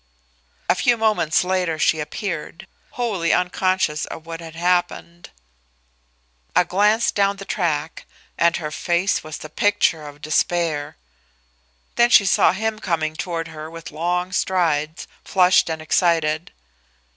A few moments later she appeared wholly unconscious of what had happened. A glance down the track and her face was the picture of despair. Then she saw him coming toward her with long strides, flushed and excited.